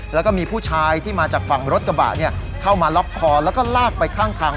แล้วก็มีผู้ชายที่มาจากฝั่งรถกระบะเข้ามาล็อกคอแล้วก็ลากไปข้างทาง